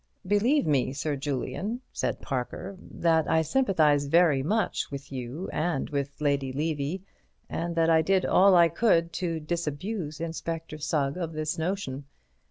"Believe me, Sir Julian," said Parker, "that I sympathize very much with you and with Lady Levy, and that I did all I could to disabuse Inspector Sugg of this notion.